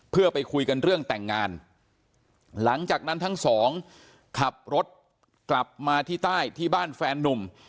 เพื่อไปคุยกันเรื่องแต่งงานหลังจากนั้นทั้งสองขับรถกลับมาที่ใต้ที่บ้านแฟนนุ่ม